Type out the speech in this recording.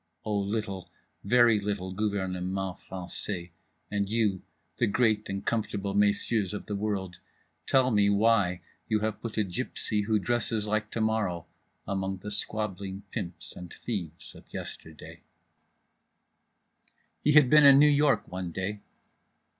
O little, very little, gouvernement français, and you, the great and comfortable messieurs of the world, tell me why you have put a gypsy who dresses like To morrow among the squabbling pimps and thieves of yesterday…. He had been in New York one day.